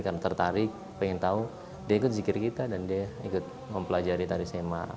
karena tertarik pengen tahu dia ikut zikir kita dan dia ikut mempelajari menari sema